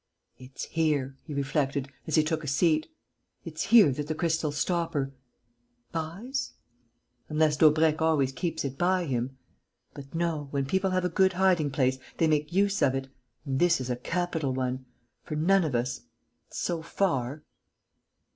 "It's here," he reflected, as he took a seat, "it's here that the crystal stopper lives.... Unless Daubrecq always keeps it by him.... But no, when people have a good hiding place, they make use of it. And this is a capital one; for none of us ... so far...."